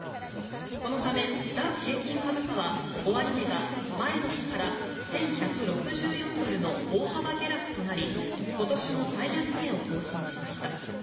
このためダウ平均株価は終値が前の日から１１６４ドルの大幅下落となり今年の最安値を更新しました。